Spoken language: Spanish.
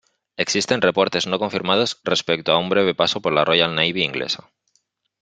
Existen reportes no confirmados respecto de un breve paso por la Royal Navy inglesa.